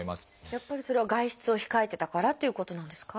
やっぱりそれは外出を控えてたからということなんですか？